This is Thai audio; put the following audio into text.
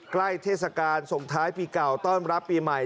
เทศกาลส่งท้ายปีเก่าต้อนรับปีใหม่